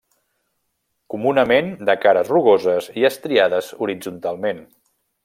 Comunament de cares rugoses i estriades horitzontalment.